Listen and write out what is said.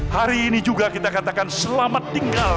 hari ini juga kita katakan selamat tinggal